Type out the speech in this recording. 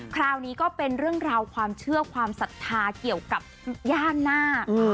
คราวนี้ก็เป็นเรื่องราวความเชื่อความศรัทธาเกี่ยวกับย่านาค